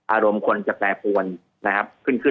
อารมณ์คนจะแปรปวนนะครับ